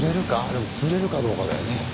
でも釣れるかどうかだよね。